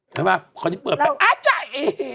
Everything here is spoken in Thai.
ใช่ป่ะคนที่เปิดไปอ้าวจ้ะเอ๋